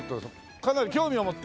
かなり興味を持って？